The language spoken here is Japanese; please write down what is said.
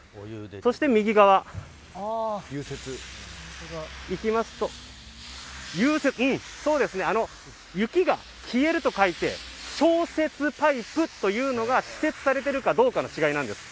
そして、右側にいきますと雪が消えると書いて消雪パイプというのが敷設されているかどうかの違いです。